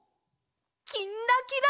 「きんらきら」。